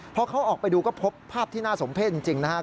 พอเขาออกไปดูก็พบภาพที่น่าสมเพศจริงนะครับ